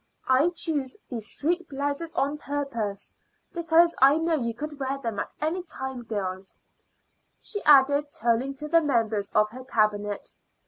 I chose these sweet blouses on purpose, because I know you could wear them at any time, girls," she added, turning to the members of her Cabinet.